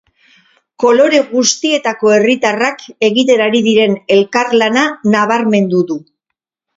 Kolore guztietako herritarrak egiten ari diren elkarlana nabarmendu du.